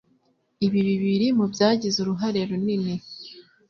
Ibi biri mu byagize uruhare runini